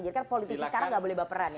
jadi kan politisi sekarang gak boleh baperan ya